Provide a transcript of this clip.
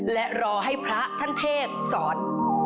และรอให้พระท่านเทพสอน